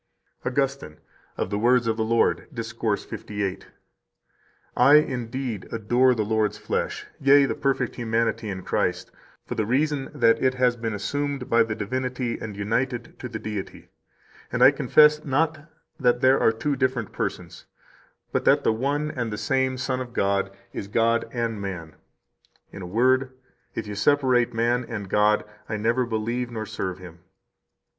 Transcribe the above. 131 AUGUSTINE, Of the Words of the Lord, Discourse 58 (t. 10, pp. 217. 218): "I indeed adore the Lord's flesh, yea, the perfect humanity in Christ, for the reason that it has been assumed by the divinity and united to Deity, and I confess not that there are two different persons, but that the one and the same Son of God is God and man. In a word, if you separate man and God, I never believe nor serve Him."